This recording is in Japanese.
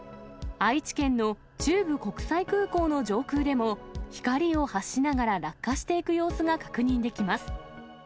愛知県の中部国際空港の上空でも光を発しながら落下していく様子が確認できます。